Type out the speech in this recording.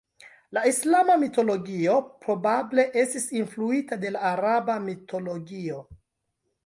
La islama mitologio probable estis influita de la araba mitologio.